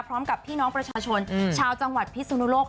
พร้อมกับพี่น้องประชาชนชาวจังหวัดพิสุนุโลก